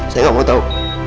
saya gak mau tahu